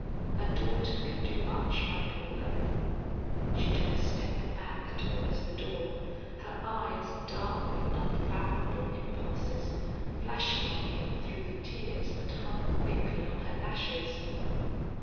A daughter can do much, my Paula." She took a step back towards the door, her eyes, dark with unfathomable impulses, flashing on him through the tears that hung thickly on her lashes.